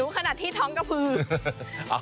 อิ๋วขนาดที่ท้องกระพือก